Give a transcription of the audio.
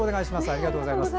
ありがとうございます。